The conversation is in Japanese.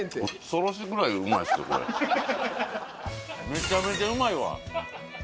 めちゃめちゃうまいわ。